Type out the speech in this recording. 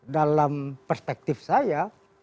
dalam perspektif saya